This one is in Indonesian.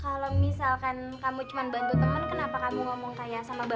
kalau misalkan kamu cuma bantu temen kenapa kamu ngomong kayak sama orang lain